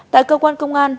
tại cơ quan công an